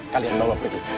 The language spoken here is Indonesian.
kalian bawa pergi